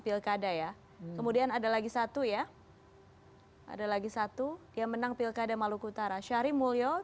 pilkada makhluk utara syahri mulyo